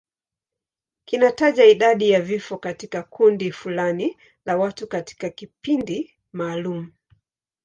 Kinataja idadi ya vifo katika kundi fulani la watu katika kipindi maalum.